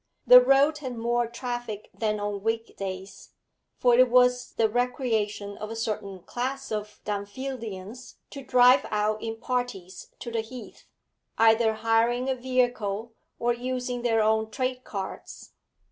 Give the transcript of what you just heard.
The road had more traffic than on week days, for it was the recreation of a certain class of Dunfieldians to drive out in parties to the Heath, either hiring a vehicle or using their own trade carts.